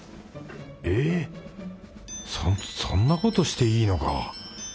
えっそそんなことしていいのか。